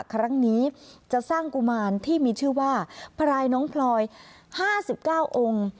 ครั้งนี้จะสร้างกุมารที่มีชื่อว่าพรายน้องพลอย๕๙องค์